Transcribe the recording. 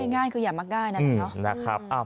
ง่ายคืออย่ามักง่ายนะครับ